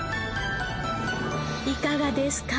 いかがですか？